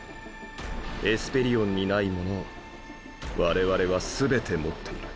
エスペリオンにないものを我々は全て持っている。